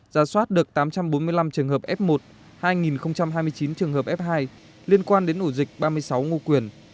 giả soát được tám trăm bốn mươi năm trường hợp f một hai hai mươi chín trường hợp f hai liên quan đến ổ dịch ba mươi sáu ngô quyền